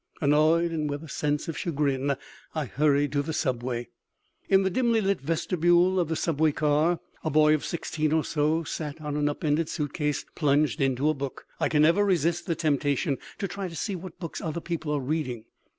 Annoyed, and with a sense of chagrin, I hurried to the subway. In the dimly lit vestibule of the subway car, a boy of sixteen or so sat on an up ended suitcase, plunged in a book. I can never resist the temptation to try to see what books other people are reading.